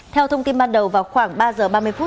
theo thông tin ban đầu vào khoảng ba h ba mươi